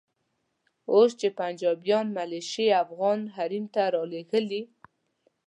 اوس چې پنجابیان ملیشې افغان حریم ته رالېږي.